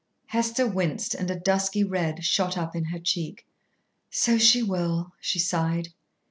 Hester winced and a dusky red shot up in her cheek. "So she will," she sighed.